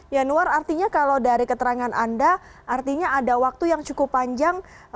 yanuar artinya kalau dari keterangan anda artinya ada waktu yang cukup panjang